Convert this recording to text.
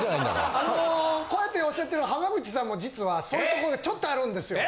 あのこうやっておっしゃってる濱口さんも実はそういうところがちょっとあるんですよ。